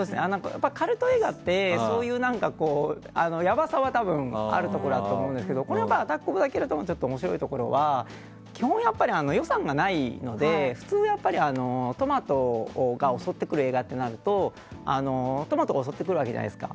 カルト映画ってそういうやばさはあるところだと思うんですけど「アタック・オブ・ザ・キラートマト」のちょっと面白いところは基本、予算がないので普通、トマトが襲ってくる映画ってなるとトマトが襲ってくるわけじゃないですか。